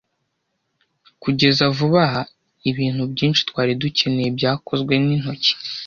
Kugeza vuba aha, ibintu byinshi twari dukeneye byakozwe n'intoki.